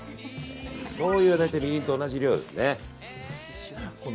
しょうゆは大体みりんと同じ量ですね。